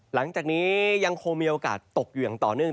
หลังจากนี้ยังคงมีโอกาสตกอยู่อย่างต่อเนื่อง